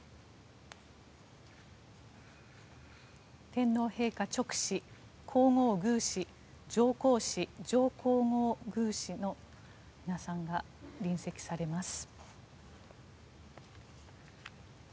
天皇陛下勅使皇后宮使上皇使、上皇后宮使の皆さんが臨席されます。